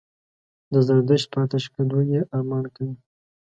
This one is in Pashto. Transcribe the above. د زردشت په آتشکدو یې ارمان کوي.